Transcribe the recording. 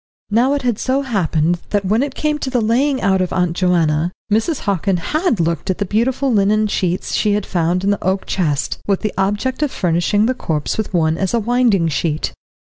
Now it had so happened that when it came to the laying out of Aunt Joanna, Mrs. Hockin had looked at the beautiful linen sheets she had found in the oak chest, with the object of furnishing the corpse with one as a winding sheet.